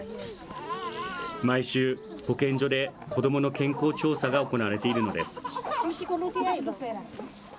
毎週、保健所で子どもの健康調査が行われているのです。